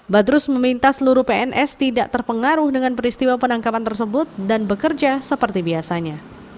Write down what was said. badrus meminta seluruh pns tidak terpengaruh dengan peristiwa penangkapan tersebut dan bekerja seperti biasanya